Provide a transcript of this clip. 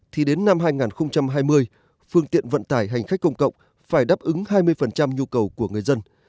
thì đến năm hai nghìn hai mươi phương tiện vận tải hành khách công cộng phải đáp ứng hai mươi nhu cầu của người dân